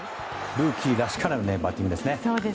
ルーキーらしからぬバッティングですね。